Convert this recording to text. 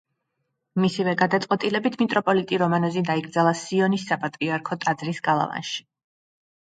მისივე გადაწყვეტილებით მიტროპოლიტი რომანოზი დაიკრძალა სიონის საპატრიარქო ტაძრის გალავანში.